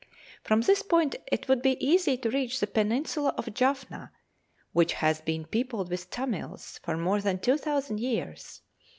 From this point it would be easy to reach the peninsula of Jaffna, which has been peopled with Tammils for more than two thousand years.